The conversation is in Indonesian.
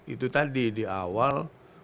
itu tadi di awal